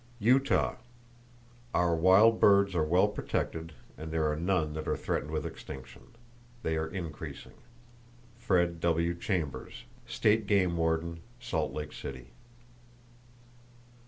Utah: Our wild birds are well protected, and there are none that are threatened with extinction. They are increasing.—(Fred. W. Chambers, State Game Warden, Salt Lake City.)